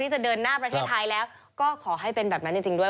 จะเดินหน้าประเทศไทยแล้วก็ขอให้เป็นแบบนั้นจริงด้วย